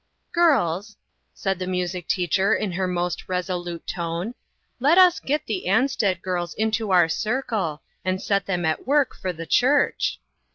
" Girls," said the music teacher in her mosv resolute tone, " let us get the Ansted girls into our circle, and set them at work for the church."